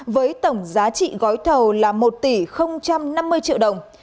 với tổng giá trị gói thầu là một tỷ năm mươi triệu đồng